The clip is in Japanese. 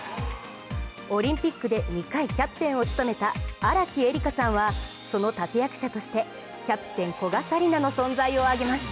オリンピックで２回キャプテンを務めた荒木絵里香さんはその立役者としてキャプテン古賀紗理那の存在を挙げます。